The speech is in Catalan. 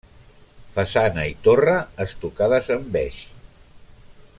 Façana i torre estucades en beix.